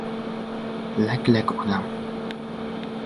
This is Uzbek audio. Lak- lak odam.